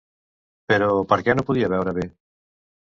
Però, per què no podia veure bé?